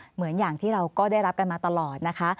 เหมือนอย่างที่เราก็ได้รับกันมาตลอดนะคะ